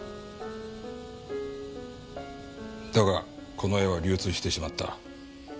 だがこの絵は流通してしまった。